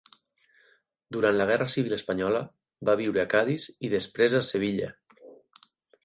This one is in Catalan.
Durant la guerra civil espanyola va viure a Cadis i després a Sevilla.